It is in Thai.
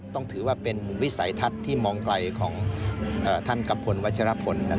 ต้องถือว่าเป็นวิสัยทัศน์ที่มองไกลของท่านกัมพลวัชรพล